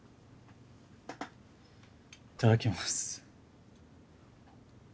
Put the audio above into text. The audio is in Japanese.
いただきます。